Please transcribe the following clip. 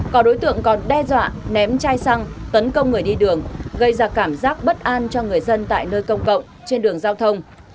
có đối tượng còn đe dọa ném chai xăng tấn công người đi đường gây ra cảm giác bất an cho người dân tại nơi công cộng trên đường giao thông